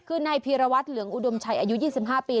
คือนายพีรวัตรเหลืองอุดมชัยอายุ๒๕ปี